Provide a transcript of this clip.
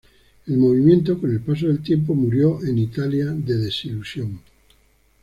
El movimiento, con el paso del tiempo, murió en Italia de desilusión.